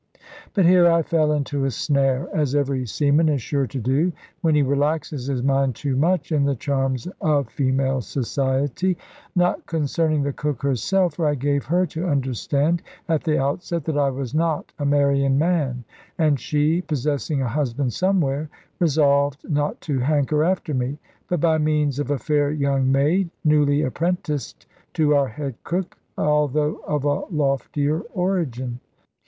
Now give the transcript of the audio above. But here I fell into a snare, as every seaman is sure to do when he relaxes his mind too much in the charms of female society. Not concerning the cook herself for I gave her to understand at the outset that I was not a marrying man, and she (possessing a husband somewhere) resolved not to hanker after me but by means of a fair young maid, newly apprenticed to our head cook, although of a loftier origin.